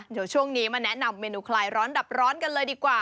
เดี๋ยวช่วงนี้มาแนะนำเมนูคลายร้อนดับร้อนกันเลยดีกว่า